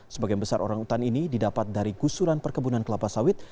sebagian besar orang utan ini didapat dari gusuran perkebunan kelapa sawit